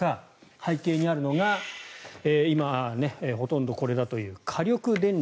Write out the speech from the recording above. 背景にあるのが今、ほとんどこれだという火力電力。